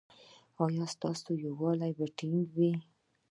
ایا ستاسو یووالي به ټینګ وي؟